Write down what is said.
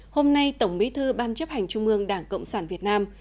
hôm nay tổng bí thư ban chấp hành trung ương đảng cộng sản việt nam